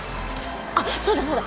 あっそうだそうだ。